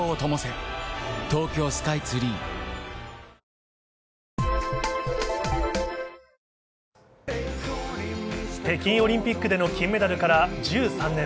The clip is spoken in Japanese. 今日の相手北京オリンピックでの金メダルから１３年。